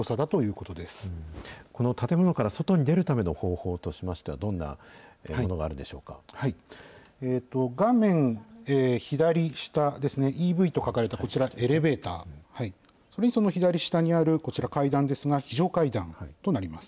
この建物から外に出るための方法としましては、どんなものが画面左下ですね、ＥＶと書かれたこちら、エレベーター、その左下にある階段ですが、非常階段となります。